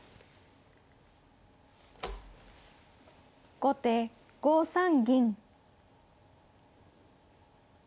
後手５三銀。